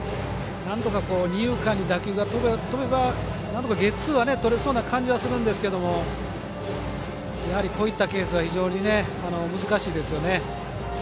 なんとか二遊間に打球が飛べばなんとかゲッツーはとれそうな感じはするんですけどやはり、こういったケースは非常に難しいですよね。